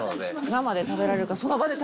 生で食べられるから。